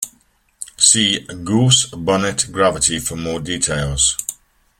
See Gauss-Bonnet gravity for more details.